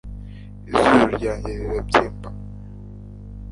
izuru ryanjye rirabyimba